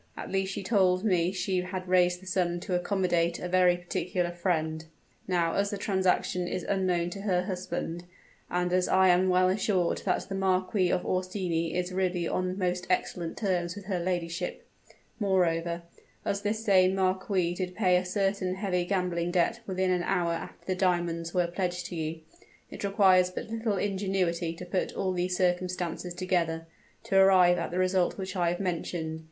"At least she told me she had raised the sum to accommodate a very particular friend. Now, as the transaction is unknown to her husband, and as I am well assured that the Marquis of Orsini is really on most excellent terms with her ladyship moreover, as this same marquis did pay a certain heavy gambling debt within an hour after the diamonds were pledged to you it requires but little ingenuity to put all these circumstances together, to arrive at the result which I have mentioned.